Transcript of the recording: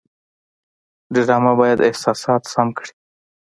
ډرامه باید احساسات سم کړي